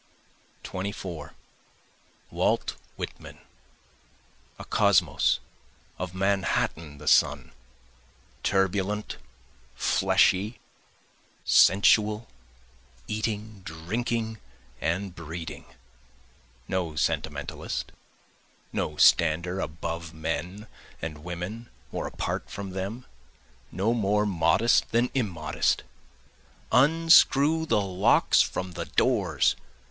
24 Walt Whitman, a kosmos, of Manhattan the son, Turbulent, fleshy, sensual, eating, drinking and breeding, No sentimentalist, no stander above men and women or apart from them, No more modest than immodest. Unscrew the locks from the doors!